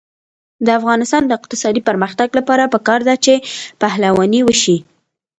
د افغانستان د اقتصادي پرمختګ لپاره پکار ده چې پهلواني وشي.